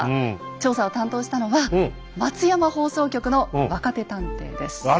調査を担当したのは松山放送局の若手探偵です。